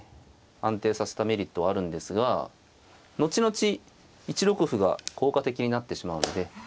安定させたメリットはあるんですが後々１六歩が効果的になってしまうので。